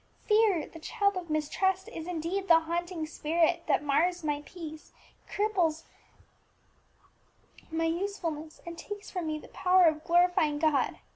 Fear, the child of Mistrust, is indeed the haunting spirit that mars my peace, cripples my usefulness, and takes from me the power of glorifying God.